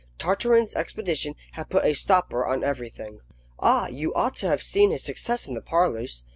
Tartarin's expedition had a put a stopper on everything. Ah, you ought to have seen his success in the parlours.